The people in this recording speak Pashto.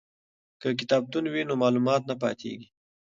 که کتابتون وي نو معلومات نه پاتیږي.